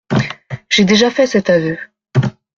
J'ai déjà fait cet aveu.